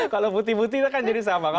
kalau putih putih itu kan jadi sama